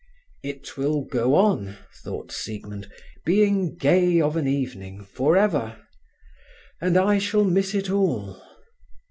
"It will go on," thought Siegmund, "being gay of an evening, for ever. And I shall miss it all!"